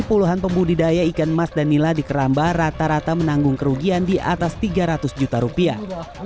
puluhan pembudidaya ikan emas dan nila di keramba rata rata menanggung kerugian di atas tiga ratus juta rupiah